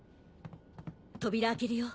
扉開けるよ。